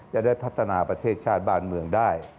จะได้พัฒนาประเทศชาติบ้านเมืองได้